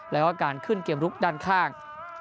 แล้วก็การขึ้นเกมลุกด้านข้าง